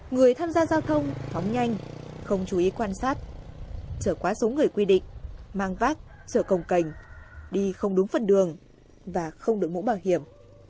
người tham gia giao thông hóng nhanh không chú ý quan sát trở quá sống người quy định mang vác trở cồng cành đi không đúng phần đường và không được mũ bảo hiểm